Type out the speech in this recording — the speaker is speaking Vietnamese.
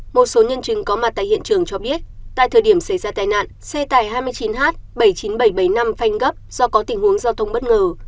một số nhân chứng có mặt tại hiện trường cho biết tại thời điểm xảy ra tai nạn xe tải hai mươi chín h bảy mươi chín nghìn bảy trăm bảy mươi năm phanh gấp do có tình huống giao thông bất ngờ